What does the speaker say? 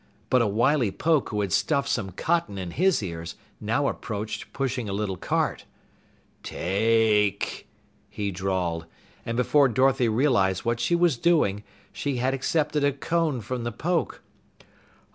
But a wily Poke who had stuffed some cotton in his ears now approached pushing a little cart. "Take !" he drawled, and before Dorothy realized what she was doing, she had accepted a cone from the Poke.